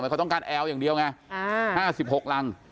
เขาต้องการแอลอย่างเดียวไง๕๖รัง